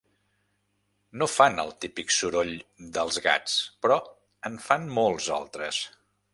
No fan el típic soroll dels gats però en fan molts altres.